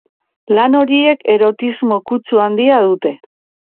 Lan horiek erotismo kutsu handia dute.